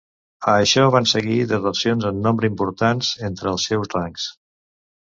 A això van seguir desercions en nombre importants entre els seus rangs.